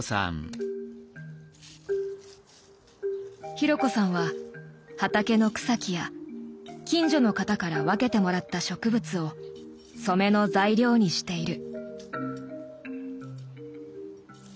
紘子さんは畑の草木や近所の方から分けてもらった植物を染めの材料にしている。